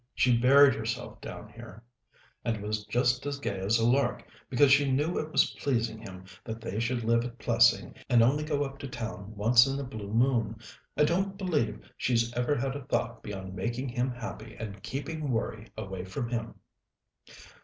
She buried herself down here, and was just as gay as a lark, because she knew it was pleasing him that they should live at Plessing and only go up to town once in a blue moon. I don't believe she's ever had a thought beyond making him happy and keeping worry away from him."